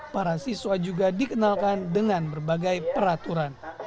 para siswa juga dikenalkan dengan berbagai peraturan